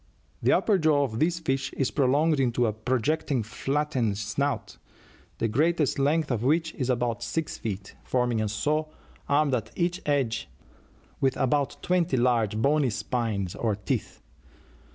The upper jaw of this fish is prolonged into a projecting flattened snout, the greatest length of which is about six feet, forming a saw, armed at each edge with about twenty large bony spines or teeth.